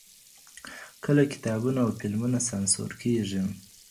کله کتابونه او فلمونه سانسور کیږي؟